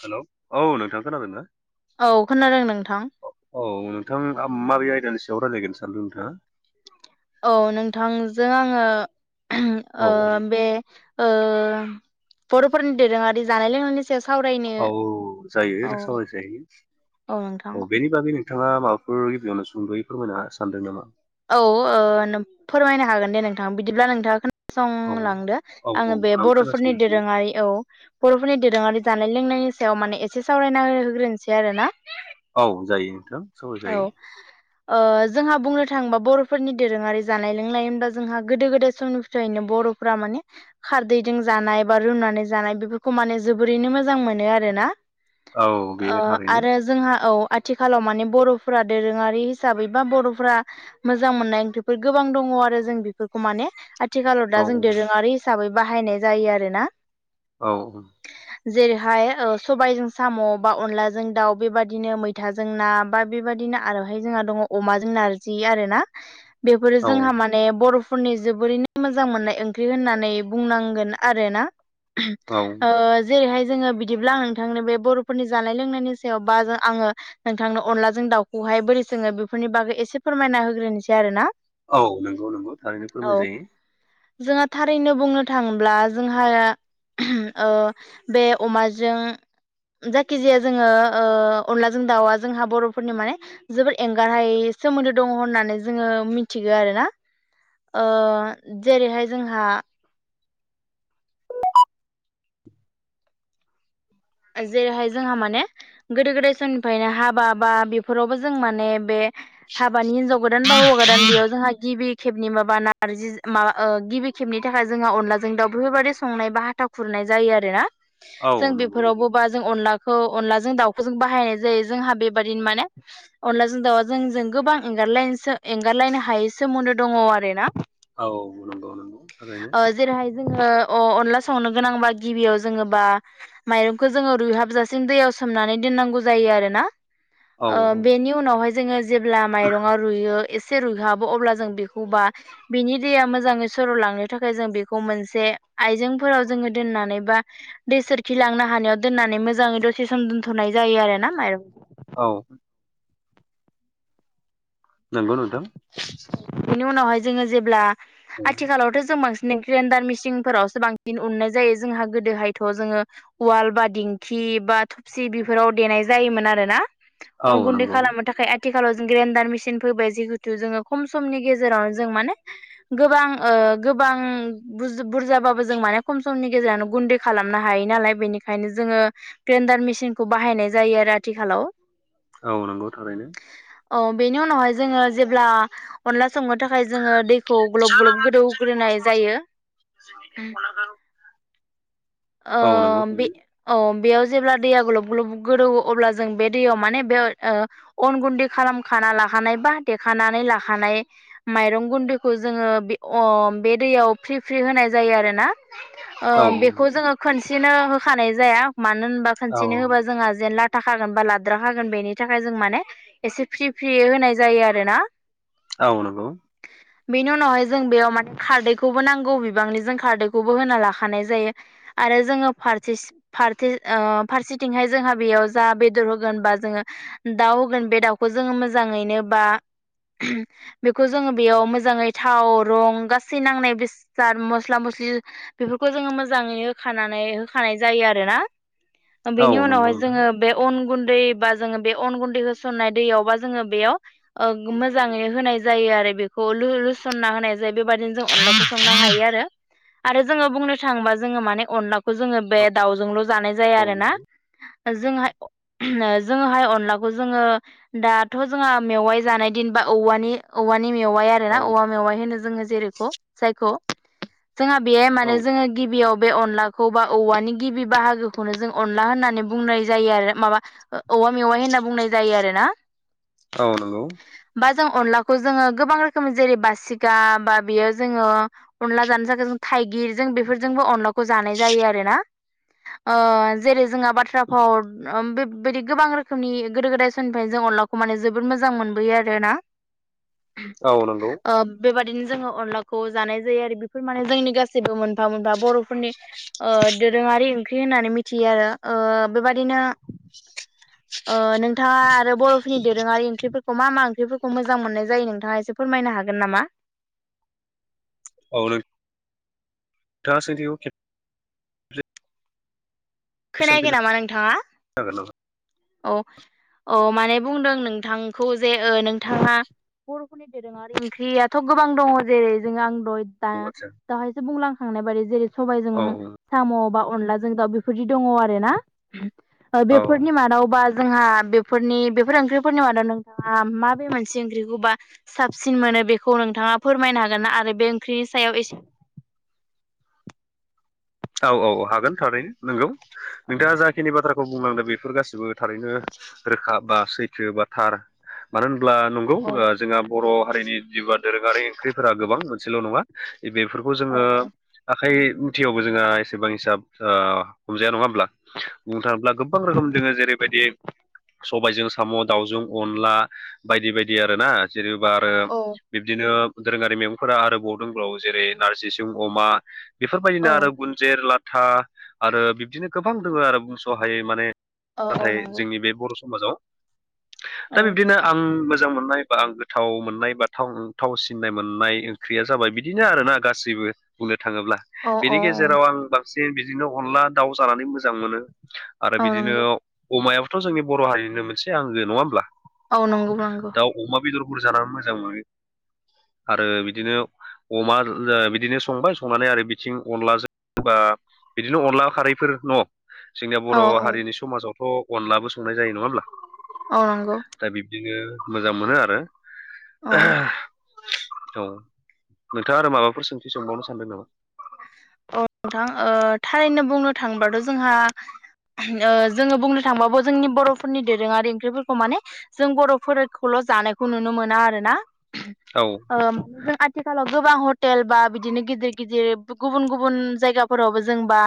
हेल औ नोंथाङा खोनादोंना औ खोनादों नोंथां औ नोंथां माबै आयदानि सायाव रायलायगोन सानदों नोंथाङा औ नोंथांजों औ आङो बे बरफोरनि दोरोङारि जानाय लोंनायनि सायाव सावरायनो औ औ जायो सावाय जैयो औ बेनि बागैनो नोंथाङा माबाफोर गिबियावनो सुंदयै फोरमायना सानदों नामा औ फोरमायनो हागोन दे नोंथां बिदिब्ला नोंथाङा खोना औ संलांदो औ आङो औ बे आं बर'फोरनि खोनासंगासिनो दोरोङारि औ बर'फोरनि दोरोङारि जानाय लोंनायनि सायाव माने एसे सावरायना होग्रोनोसै आरो ना औ जायो नोंथां सावराय औ जायो जोंहा बुंनो थाङोबा बर'फोरनि दोरोङारि जानाय लोंनाय होनब्ला जोंहा गोदो गोदाय समनिनो बर'फोरा माने खारदैजों जानाय बा रुनानै जानाय बेफोरखौ माने जोबोरैनो मोजां मोनो आरोना औ बेयो थारैनो आरो जोंहा औ आथिखालाव माने बर'फ्रा दोरोङारि हिसाबै बा बर'फ्रा मोजां मोननाय ओंख्रिफोर गोबां दङ आरो जों बेफोरखौ माने आथिखालाव औ दा जों दोरोङारि हिसाबै बाहायनाय जायो आरोना औ औ जेरैहाय सबायजों साम बा अनलाजों दाउ बेबायदिनो मैथाजों ना बा बेबायदिनो आरोहाय जोंहा दङ अमा जों नारजि आरो ना बेफोरो औ जोंहा माने बर' फोरनि जोबोरैनो मोजां मोननाय ओंख्रि होननानै बुंनांगोन आरोना औ ओ जेरैहाय जोङो बिदिब्ला नोंथांनो बे बर'फोरनि जानाय लोंनायनि सायाव बा आङो नोंथांनो अनलाजों दाउखौ बखहाय बोरै सोङो बेफोरनि बागै एसे फोरमायना होग्रोनोसै आरो ना औ नंगौ नंगौ थारैनो फोरमाय जायो जोंहा थारैनो बुंनो थाङोब्ला जोंहा बे अमाजों जायखिजाया जोङो अनलाजों दाउआ जोंहा बर'फोरनि माने जोबोद एंगारहायै सोमोन्दो दङ होननानै जोङो मिथिगो आरोना ओ जेरैहाय जोंहा जेरैहाय जोंहा माने गोदो गोदाय समनिफायनो हाबा बा बेफोरावबो जों माने बे हाबानि हिनजाव गोदान बा हौवा गोदान बेयाव जोंहा गिबि खेबनि माबा नार्जि माबा ओ गिबि खेबनि थाखाय जोंहा अनलाजों दाउ बेफोरबादि संनाय बा हाथा खुरनाय नाय जायो आरो ना। औ नंगौ नों बा जों अलाखौ अनलाजों दाउखौ जों बाहायनाय जायो। जोंहा बेबायदिनो माने अनलाजों दाउआ जों जों गोबांं एंगार लायनसो एंगारलायनो हायै सोमोन्दो दङ आरो ना। औ नंगौ नंगौ थारैनो। ओ जेरैहाय जोङो अ अनला संनो गोनांबा गिबियाव जोङोबा माइरंखौ जोङो रुइहाबजासिम दैयाव सोमनानै दोननांगौ जायो आरोना। औ ओ बेनि उनावहाय जोङो जेब्ला माइरङा रुइयो एस इसे रुइहाबो अब्ला जों बेखौबा बिनि दैया मोजाङै सर'लांनो थाखाय जों बेखौ मोनसे आइजेंफोराव जोङो दोननानै बा दैसोर खिलांनो हानायाव दोननानै मोजाङै दसे सम दोनथनाय जायो आरो ना माइरं औ नोंगौ नोंथां। नि उनावहाय जोङो जेब्ला औ आथिखालावथ जों बांस ने ग्रेन्डार मेसिंनफोरावसो बांसिन उननाय जायो जोंहा गोदोहायथ' जोङो उवाल बा दिंखि इ बा थफसि बिफोराव देनाय जायोमोन आरोना। अन औ गुन्दै नंगौ खालामनो थाखाय आथिखालाव जों ग्रेडार मिसिन फैबाय जिहेतु जोङो खम समनि गेजेराव जों माने गोबां ओ गोबां बुज बुरजाबाबो जों मा माने खम समनि गेजेरावनो गुन्दै खालामनो हायो नालाय बेनिखायनो जोङो ग्रेन्डार मेसिनखौ बाहायनाय जाय यो आरो आथिखालाव। औ नोंगौ थारैनो। औ बेनि उनावहाय जोङो जेब्ला अनला संनो थाखाय जोङो दैखौ ग्लब जानाङा ग्लब जों जोंनि बर' गोदौग्रोनाय समाजाव जायो। [inaudible] ओ औ नंगौ बे अ बेयाव जेब्ला दैया ग्लब ग्लब गोदौवो अब्ला जों बे दैयाव माने बे ओ अन गुन्दै खालामखाना ला खानाय बा देखानानै ला खानाय माइरं गुन्दैखौ जोङो बे अ बे दैयाव फ्रि फ्रि होनाय जायो आरोना। ओ औ बेखौ जोङो खोनसेनो होखानाय जाया। मानो होनबा औ खोनसेनो होबा जोंहा जेन लाथ थाखागोन बा लाद्राखागोन बेनि थाखाय जों माने एसे फ्रि फ्रि होनाय जायो आरोना। औ नोंगौ। बेनि उनावहाय जों बेयाव माने खारदैखौबो नांगौ बिबांनि जों खारदैखौबो होना लाखानाय जायो। आरो जोङो फारथिस फारथि ओ फारसेथिंहाय जोंहा बेयाव जा बेदर होगोन बा जोङो दाउ होगोन बे दाउखौ जोङो मोजाङैनो बा बेखौ जोङो बेयाव मोजाङै थाव रं गासै नांनाय बेसाद मस्ला मस्लि ओ बेफोरखौ जोङो मोजाङैनो होखानानै होखानाय जायो आरो ना। औ बेनि नंगौ उनावहाय जोङो नोंथां बे अन गुन्दै बा जोङो बे अन गुन्दै होसननाय दैयाव बा जोङो बेयाव मोजाङै होनाय जायो आरो बेखौ लु-लुसनना होनाय जायो बेबादिनो जों अनलाखौ संनो हायो आरो। आरो जोङो बुंनो थाङोबा जोङो माने अनलाखौ जोङो बे दाउजोंल' जानाय जाया औ आरो ना। नंगौ जोंहा जोङोहाय अनलाखौ जोङो दाथ' जोंहा मेवाइ जानाय दिनबा औवानि औवानि मेवाइ आरोना औ औवा मेवाइ होनो जोङो जेरैखौ जायखौ। जोंहा बेयाय औ माने जोङो गिबियाव बे अनलाखौ बा औवानि गिबि बाहागोखौनो जों अनला होननानै बुंनाय जायो आरो माबा ओ औ औेवा मेवाइ होनना बुंनाय जायो आरो ना। औ नोंगौ। बा जों अनलाखौ जोङो गोबां रोखोम जेरै बासिगा बा बियो जोङो अनला जानो जागा जों थाइगिरजों बेफोरजोंबो अनलाखौ जानाय जायो आरो ना। [inaudible] जेरै जोंहा बाथ्रा भाव बेबायदि गोबां रोखोमनि गोदो गोदाय समनिफ्राय जों अनलाखौ माने जोबोद मोजां मोनबोयो आरोना। औ नंगौ। बिदिनो जोङो अनलाखौ जानाय जायो आरो बेफोर माने जोंनि गासैबो मोनफा मोनफा बर'फोरनि ओ दोरोङारि ओंख्रि होननानै मिथियो आरो ओ बेबादिनो नोंथाङा आरो बर'फोरनि दोरोङारि ओंख्रिफोरखौ मा मा ओंख्रि। बेफोरखौ मोजां मोननाय जायो नोंथाङा एसे फोरमायनो हागोन नामा? औ नों आं सोंथिखौ खेबसे खोनायाखै सोंफिननो नामा नोंथाङा? हागोन नामा औ औ माने बुंदों नोंथांखौ जे नोंथाङा। बर'फोरनि दोरोङारि ओंख्रियाथ' गोबां दङ जेरै जोङा दा औ आदसा दाहायसो बुंलांखांनाय बायदि जेरै सबायजों औ साम' बा अनलाजों दाउ बे। फोर दङ आरोना औ बेफोरनि मादाव बा जोंहा बेफोरनि बेफोर ओंख्रिफोरनि मादाव नोंथाङा माबे मोनसे ओंख्रिखौबा साबसिन मोन नो बेखौ नोंथाङा फोरमायनो हागोन ना आरो बे ओंख्रिनि सायाव एसे। [inaudible] औ औ औ हागोन थारैनो नोंगौ नोंथाङा जाखिनि बाथ्राखौ बुंलांदों बेफोर गासिबो थारैनो रोखा बा सैथो बा थार मानो होनो ब्ला नंगौ औ जोंहा बर' हारिनि जिउआ दोरोङारि ओंख्रिफोरा गोबां मोनसेल' नङा। बेफोरखौ जोङो औ आखाइ मुथियाव जोंहा एसेबां ओ हिसाब हमजाया नङा होमब्ला बुंनो थाङोब्ला गोबां रोखोम जोङो जेरै बायदि सबायजों साम' दाउजों अनला बायदि बायदि आरोना। जेनेबा आरो औ बिब्दिनो दोरोङारि मैगंफोरा आरोबाव दंबाव जेरै नारजि अमा बेफोरबायदिनो औ आरो गुनजेर लाथा आरो बिब्दिनो गोबां दङ आरो बुंस'हायै माने औ औ नाथाय नंगौ जोंनि बे बर' समाजाव दा औ बिब्दिनो आं मोजां मोननाय आं गोथाव मोननाय बा थाव सिननाय मोननाय ओंख्रिया जाबाय बिदिनो आरोना गासैबो। बुंनो थाङोब्ला औ बेनि औ गेजेराव आं बांसिन बिदिनो अनला दाउ जानानै मोजां मोनो। आरो औ बिदिनो नंगौ अमायाबोथ' जोंनि बर' हारिनो मोनसे आंगो नङा होमब्ला? औ नंगौ नंगौ। जाना मोजां मोनो। आरो बिदिनो अमा बिदिनो संबाय संनानै आरो बिथिं अनलाजों। बिदिनो अनला खारैफोर न' जोंनिया औ बर' औ हारिनि समाजावथ' अनलाबो संनाय जायो नङा होनब्ला? औ नंगौ दा बिब्दिनो मोजां मोनो आरो औ औ नोंथाङा आरो माबाफोर सोंथि सोंबावनो सानदों नामा? औ नोंथां थारैनो बुंनो थाङोबाथ' जोंहा। जोङो बुंनो थांबाबो जोंनि बर'फोरनि दोरोङारि ओंख्रिफोरखौ माने जों बर'फोरखौल'। जानायखौ नुनो मोना आरोना औ आथिखालाव गोबां हटेल बा बिदिनो गिदिर गिदिर गुबुन गुबुन जायगाफोरावबो जोंबा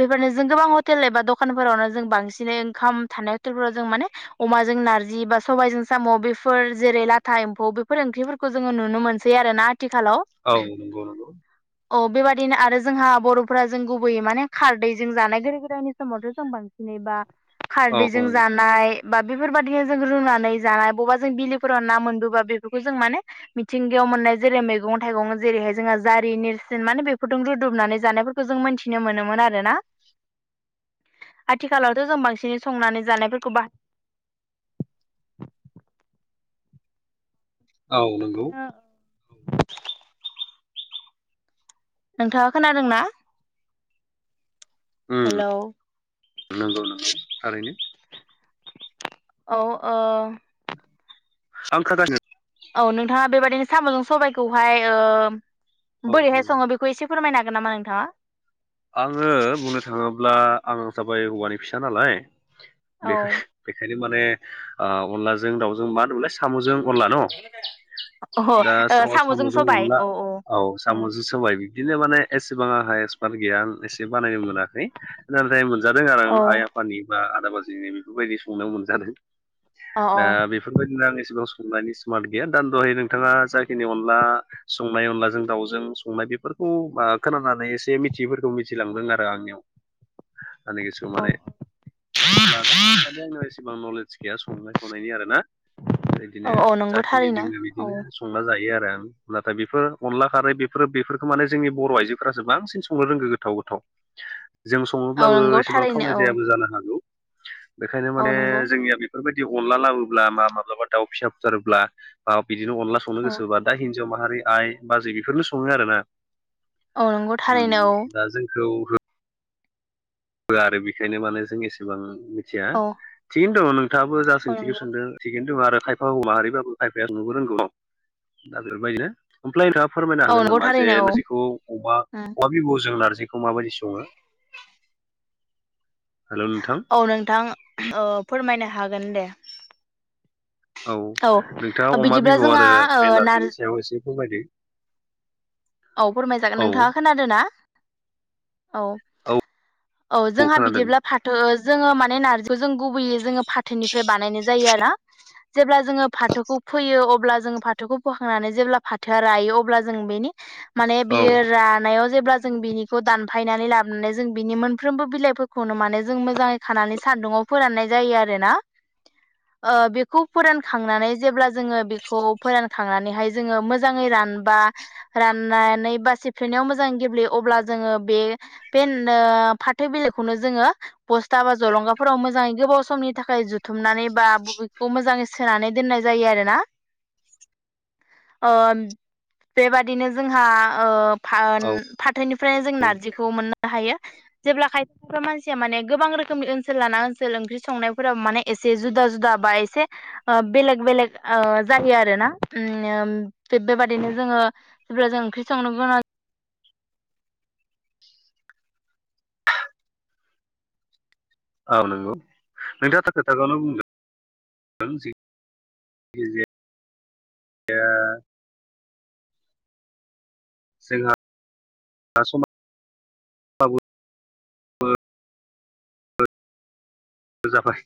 बेफोरनो जों गोबां हटेल एबा दखान। दखानफोरावनो जों बांसिनै ओंखाम थानाय हटेलफोराव जों माने अमाजों नारजि बा सबायजों साम' बे। फोर जेरै लाथा एम्फौ बेफोर ओंख्रिफोरखौ जोङो नुनो मोनसै आरोना। औ नंगौ। अ बेबादिनो आरो जोंहा बर'फोरा जों गुबैयै माने खारदै जों जानाय गोदो गोदायनि समावथ' जों बांसिन। जेनेबा औ औ खारदैजों जानाय बा बेफोरबायदिनो जों रुनानै जानाय बबेबा जों बिलोफोराव ना मोनबोबा बेफोरखौ जों माने मिथिंगायाव मोननाय जेरै मैगं थाइगं जेरैहाय जोंहा जारि नेरसिन माने बेफोरजों रुदुमनानै जानायफोरखौ जों मिन्थिनो मोनोमोन आरोना। आथिखालावथ' जों बांसिनै संनानै जानायफोरखौ बा [inaudible] औ नंगौ नोंथाङा खोनादों ना? उम नंगौ नंगौ थारैनो औ ओ आं खोनादों। औ नोंथाङा बेबदिनो साम'जों सबायाइखौहाय औ बोरैहाय सङो बेखौ एसे फोरमायनो हागोन नामा नोंथाङा? आङो बुंनो थाङोब्ला आं जाबाय हौवानि फिसा नालाय। बे औ बेखायनो माने अनलाजों दाउजों मा होनोलाय साम'जों अनला न' अह ओ दा साम'जों अनला औ साम'जों साबाय बिदिनो माने एसेबां आहाय गैया आ एसे बानायनो मोनाखै नाथाय मोनजादों आरो औ आं आइ आफानि बा बेफोरबायदि संनायाव मोनजादों अ दा बेफोरबायदिनो आं एसेबां संनायनि स्मार्ट गैया दा दहाय नोंथाङा जाखिनि अनला संनाय अनलाजों दाउजों संनाय बे फोरखौ खोनानानै एसे मिथियैफोरखौ मिथिलांदों आरो आंनियाव माने औ [unintelligible] माने फ्राय आंनाव एसेबां नलेज गैया संनाय खावनायनि आरो ना। बेबायदिनो औ औ नंगौ जाखिनि थारैनो लोङो औ बिदिनो संना जायो आरो। नाथाय बेफोर अनला खारै बेफोर बेफोरखौ माने जोंनि बर' आइजोफोरासो बांसिन संनो रोंगौ गोथाव गोथाव जों औ सङोब्लाबो नंगौ एसेबां थारैनो थावनाय जायाबो जानो हागौ। बेखायनो औ माने नंगौ जोंनिया बेफोरबायदि अनला लाबोब्ला मा माब्लाबा दाउ फिसा फुथारोब्ला ओ बि बिदिनो अनला संनो औ गोसोबा दा हिनजाव माहारि आइ बाजै बेफोरनो सङो आरोना। अ नंगौ थारैनो ओम दा जोंखौ होब्ला आरो बेखायनो माने जों एसेबां मिथिया औ थिगैनो दङ नों थांआबो जा औ सोंथिगोन नंगौ सोंदों थिगैनो दोङो आरो खायफा हौवा माहारिफोराबो खायफाया नुबो रोंगौ दा बेफोरबायदिनो ओमफ्राय दा फोरमायनो औ नंगौ हागोननामा जे थारैनो नारजिखौ अमा औ अमा बिबुजों नारजि खौ माबायदि सङो? हेलौ नोंथां औ नोंथां फोरमायनो हागोन दे। औ नोंथाङा अमा बिदिब्ला बिब' जोंहा आरो ओ बे नार नारजिनि सायाव एसे फोरमायदो। औ फोरमायजागोन। औ नोंथाङा खोनादों ना? औ औ औ जोंहा बिदिब्ला फाथो ओ जोङो माने नारजिखौ जों गुबैयै जोङो फाथोनिफ्राय बानायनाय जायो आरो ना। जेब्ला जोङो फाथोखौ फोयो अब्ला जोङो फाथोखौ बोखांनानै जेब्ला फाथोआ रायो अब्ला जों बेनि माने औ बियो रानायाव जेब्ला जों बिनिखौ दानफायनानै लाबोनानै जों बिनि मोनफ्रोमबो बिलाइफोरखौनो माने जों मोजाङै खानानै सा सान्दुंङाव फोराननाय जायो आरोना। ओ बेखौ फोरानखांनानै जेब्ला जोङो बेखौ फोरानखांनानैहाय जोङो मोजाङै रा रानबा राननानै बा सिफ्लेनायाव मोजां गेब्लेयो अब्ला जोङो बे बे फाथो बिलाइ खौनो जोङो बस्था बा जलंगाफोराव मोजाङै गोबाव समनि थाखाय जुथुमनानै बा बबेखौ मोजां मोजां सोनानै दोननाय जायो आरो ना। [inaudible] ओ बेबाद। बिदिनो जोंहा ओ फान औ फाथोनिफ्रायनो जों नारजिखौ मोननो हायो। जेब्ला खायफा मानसिया माने गोबां रोखोमनि ओनसोल लाना ओनसोल ओंख्रि संनायफोराव माने एसे जुदा। जुदा बा एसे ओ बेलेग बेलेग ओ जायो आरोना बेबादिनो। जोङो जेब्ला जोङो ओंख्रि संनो मोना। औ नंगौ नोंथाङाथ' खोथाखौनो बुंदों। नों [unintelligible] जोंहा सम [unintelligible] जाबाय।